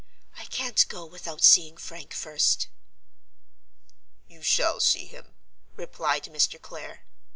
"I can't go without seeing Frank first!" "You shall see him," replied Mr. Clare.